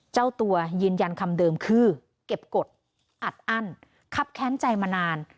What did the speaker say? เจ้าตัวยืนยันคำเดิมคือเก็บกฎอัดอั้นครับแค้นใจมานาน